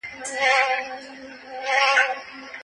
نازیه اقبال